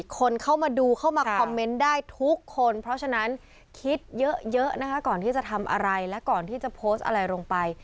คนเข้ามาดูเข้ามาคอมเมนต์ได้ทุกคนเพราะฉะนั้นคิดเยอะนะคะก่อนที่จะทำอะไรและก่อนที่จะโพสต์อะไรลงไป